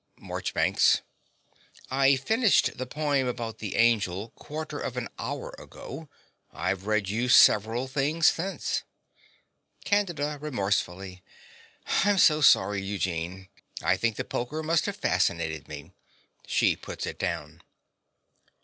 MARCHBANKS. I finished the poem about the angel quarter of an hour ago. I've read you several things since. CANDIDA (remorsefully). I'm so sorry, Eugene. I think the poker must have fascinated me. (She puts it down.)